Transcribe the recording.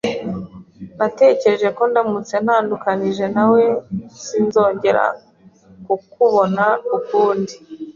Natekereje ko ndamutse ntandukanije nawe, sinzongera kukubona ukundi.